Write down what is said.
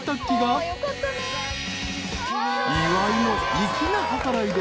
［岩井の粋な計らいで］